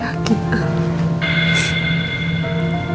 dia itu itu